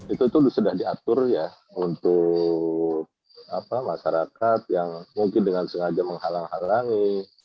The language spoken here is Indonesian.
itu sudah diatur ya untuk masyarakat yang mungkin dengan sengaja menghalang halangi